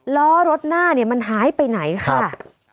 ล้อรถหน้ามันหายไปไหนค่ะฮะ